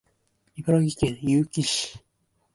茨城県結城市